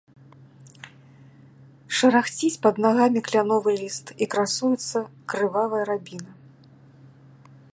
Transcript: Шарахціць пад нагамі кляновы ліст, і красуецца крывавая рабіна.